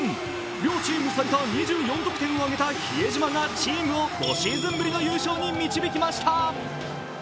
両チーム最多２４得点を挙げた比江島がチームを５シーズンぶりの優勝に導きました。